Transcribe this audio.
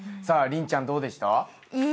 さあ麟ちゃんどうでした？